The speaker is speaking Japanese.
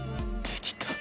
できたー！